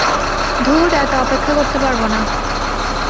ধুর, এত অপেক্ষা করতে পারব না।